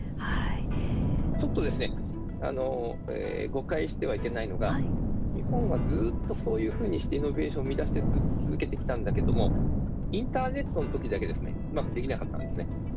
ちょっとですね誤解してはいけないのが日本はずっとそういうふうにしてイノベーションを生みだし続けてきたんだけどもインターネットのときだけうまくできなかったんですね。